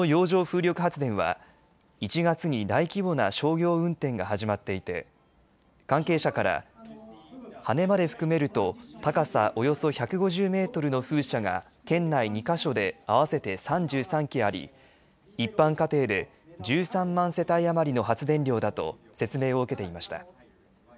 この洋上風力発電は１月に大規模な商業運転が始まっていて関係者から羽根まで含めると高さ、およそ１５０メートルの風車が県内２か所で合わせて３３基あり一般家庭で１３万世帯余りの発電量だと説明を受けていました。